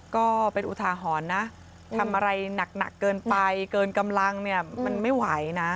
ก็เป็นอุทาหรณ์นะทำอะไรหนักเกินไปเกินกำลังเนี่ยมันไม่ไหวนะ